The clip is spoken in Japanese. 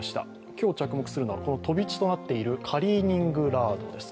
今日着目するのは飛び地となっているカリーニングラードです。